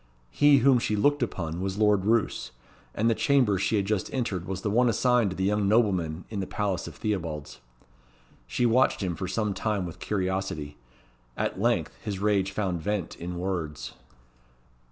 He whom she looked upon was Lord Roos, and the chamber she had just entered was the one assigned to the young nobleman in the Palace of Theobalds. She watched him for some time with curiosity. At length his rage found vent in words.